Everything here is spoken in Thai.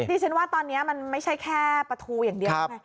ดิฉันว่าตอนนี้มันไม่ใช่แค่ปลาทูอย่างเดียวไง